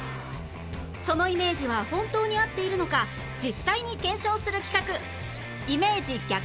そのイメージは本当に合っているのか実際に検証する企画イメージ逆転男子